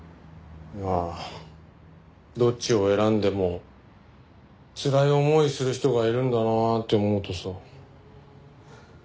まあどっちを選んでもつらい思いをする人がいるんだなって思うとさ。